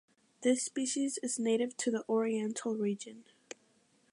This species is native to the Oriental region.